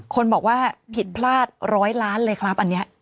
คนบอกว่าผิดพลาดร้อยล้านเลยครับอันนี้